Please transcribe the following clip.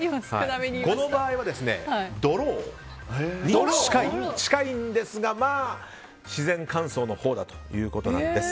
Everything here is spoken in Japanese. この場合はドローに近いんですが自然乾燥のほうだということです。